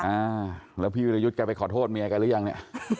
อ่าแล้วพี่วิรยุทธ์แกไปขอโทษเมียกันหรือยังเนี่ย